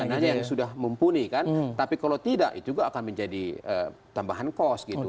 dananya yang sudah mumpuni kan tapi kalau tidak itu juga akan menjadi tambahan kos gitu